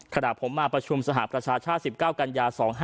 ขณะผมมาประชุมสหรัฐประชาชา๑๙กย๒๕๔๙